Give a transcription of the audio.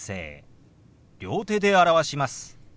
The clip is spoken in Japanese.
両手で表します。